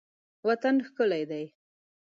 وطن ښکلی دی.